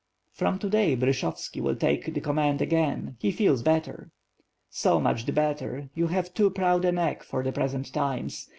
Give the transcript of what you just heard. "From to day Bryshovski will take the command again, he feels better." "So much the better, you have too proud a neck for the present times.